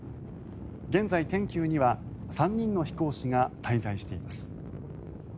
現在、天宮には３人の飛行士が滞在しています。